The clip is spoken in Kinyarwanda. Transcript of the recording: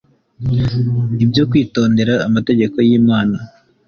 Ibyo kwitondera amategeko yimana